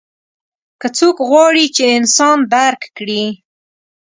که څوک غواړي چې انسان درک کړي.